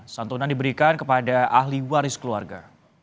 santunan diberikan kepada ahli waris keluarga